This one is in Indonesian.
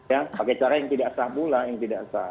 ya pakai cara yang tidak sah pula yang tidak sah